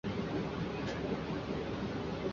丈夫为医生汤于翰。